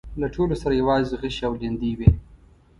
له ټولو سره يواځې غشي او ليندۍ وې.